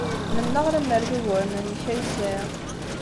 Mennaɣ lemmer d uguren-nnek ay sɛiɣ.